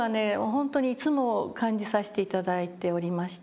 本当にいつも感じさせて頂いておりましたですね。